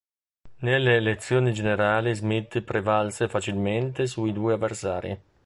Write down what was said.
Nelle elezioni generali Smith prevalse facilmente sui due avversari.